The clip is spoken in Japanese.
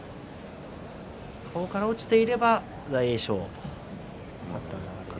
顔から落ちていれば大栄翔。